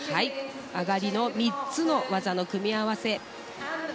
上がりの３つの技の組み合わせ。